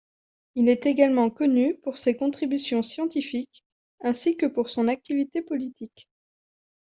Il est également connu pour ses contributions scientifiques, ainsi que pour son activité politique.